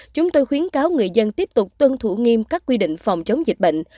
chúng tôi khuyến cáo người dân tiếp tục tuân thủ nghiêm các quy định phòng chống dịch bệnh